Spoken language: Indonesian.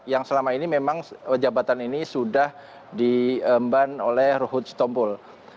yang selama ini memang jabatan ini sudah diemban oleh ruhut sitompul